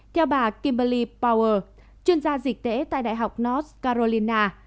theo bà kimberley power chuyên gia dịch tễ tại đại học north carolina